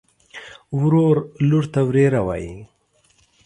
ورور لور ته وريره وايي.